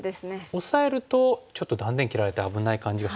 オサえるとちょっと断点切られて危ない感じがしますよね。